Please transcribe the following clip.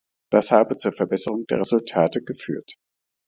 Das habe zur Verbesserung der Resultate geführt.